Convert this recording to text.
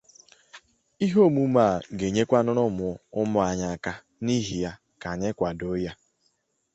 N'oge gboo